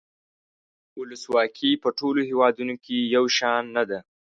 ولسواکي په ټولو هیوادونو کې یو شان نده.